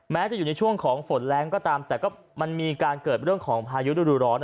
แม้จะอยู่ในช่วงของฝนแรงก็ตามแต่ก็มันมีการเกิดเรื่องของพายุฤดูร้อน